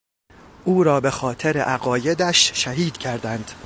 او را به خاطر عقایدش شهید کردند.